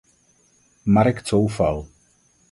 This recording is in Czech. Marek Coufal.